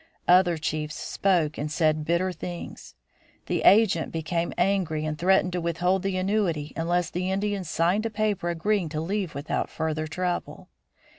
Other chiefs spoke and said bitter things. The agent became angry and threatened to withhold the annuity unless the Indians signed a paper agreeing to leave without further trouble.